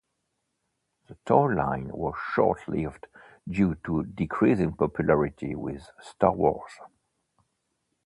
The toy line was short lived due to decreasing popularity with Star Wars.